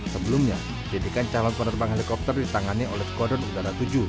sebelumnya pendidikan calon penerbang helikopter ditangani oleh skuadron udara tujuh